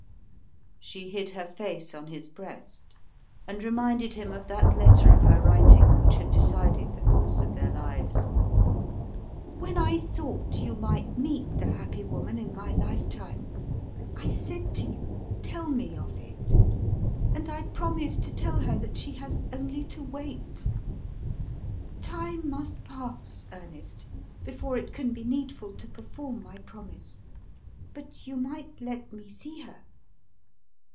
She hid her face on his breast, and reminded him of that letter of her writing which had decided the course of their lives. "When I thought you might meet the happy woman in my lifetime I said to you, 'Tell me of it, and I promise to tell her that she has only to wait.' Time must pass, Ernest, before it can be needful to perform my promise, but you might let me see her.